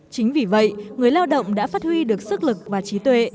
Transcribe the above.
chính vì vậy người lao động đã phát huy được sức lực và trí tuệ